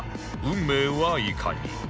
運命はいかに！？